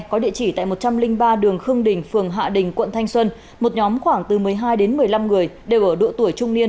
có địa chỉ tại một trăm linh ba đường khương đình phường hạ đình quận thanh xuân